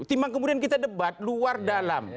ketimbang kemudian kita debat luar dalam